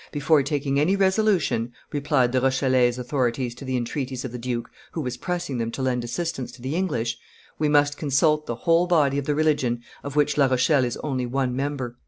"Before taking any resolution," replied the Rochellese authorities to the entreaties of the duke, who was pressing them to lend assistance to the English, "we must consult the whole body of the religion of which La Rochelle is only one member."